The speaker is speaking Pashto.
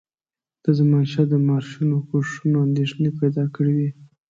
د زمانشاه د مارشونو کوښښونو اندېښنې پیدا کړي وې.